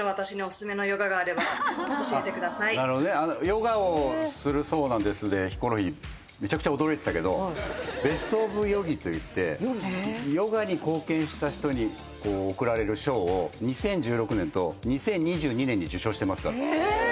「ヨガをするそうなんです」でヒコロヒーめちゃくちゃ驚いてたけどベスト・オブ・ヨギといってヨガに貢献した人に贈られる賞を２０１６年と２０２２年に受賞してますからえっ！？